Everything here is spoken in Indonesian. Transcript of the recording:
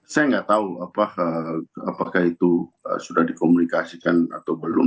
saya nggak tahu apakah itu sudah dikomunikasikan atau belum